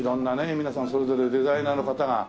皆さんそれぞれデザイナーの方が。